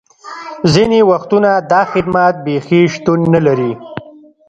ځینې وختونه دا خدمات بیخي شتون نه لري